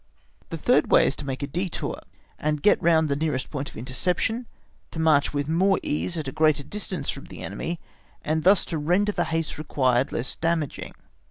The third way is to make a détour, and get round the nearest point of interception, to march with more ease at a greater distance from the enemy, and thus to render the haste required less damaging.